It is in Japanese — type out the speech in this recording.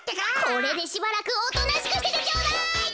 これでしばらくおとなしくしててちょうだい。